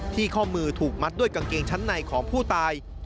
ข้อมือถูกมัดด้วยกางเกงชั้นในของผู้ตาย